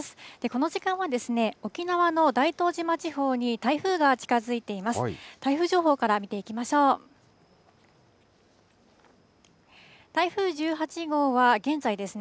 この時間は、沖縄の大東島地方に台風が近づいています。